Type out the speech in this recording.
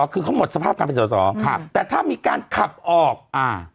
คือเขาหมดสภาพการเป็นสอสอครับแต่ถ้ามีการขับออกอ่า